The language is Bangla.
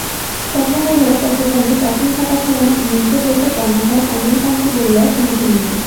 স্বপ্না বড়ুয়া চট্টগ্রামের প্রাচীন ছাপাখানা মিন্টো প্রেসের কর্ণধার অনিল কান্তি বড়ুয়ার সহধর্মিণী।